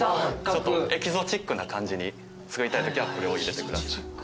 エキゾチックな感じに作りたいときはこれを入れてください。